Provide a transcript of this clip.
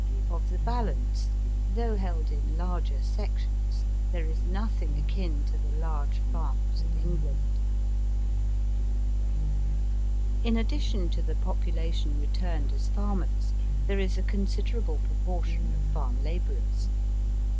Of the balance, though held in larger sections, there is nothing akin to the large farms of England, In addition to the population returned as farmers, there is a considerable proportion of farm labourers.